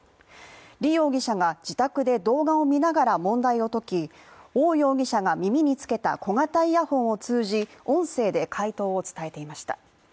李容疑者が自宅で動画を見ながら問題を解き、王容疑者が耳につけた小型イヤホンを通じ、音声で解答を伝えていました。